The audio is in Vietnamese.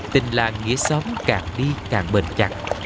tình là nghĩa xóm càng đi càng bền chặt